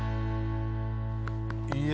いや。